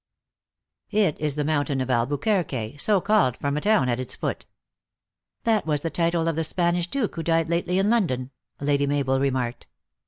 " It is the mountain of Albuquerque, so called from a town at its foot." "That was the title of the Spanish duke, who died lately in London," Lady Mabel remarked.